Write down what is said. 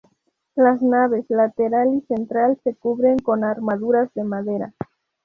Las naves lateral y central se cubren con armaduras de madera.